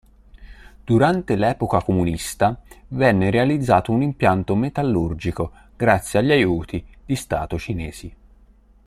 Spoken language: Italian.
Durante l'epoca comunista venne realizzato un impianto metallurgico grazie agli aiuti di stato cinesi.